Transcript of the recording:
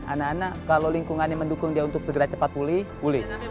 anak anak kalau lingkungannya mendukung dia untuk segera cepat pulih pulih